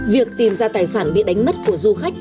việc tìm ra tài sản bị đánh mất của du khách